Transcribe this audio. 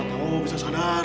siapa tau bisa skaner